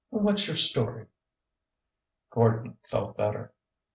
What 's your story ?" Gordon felt better.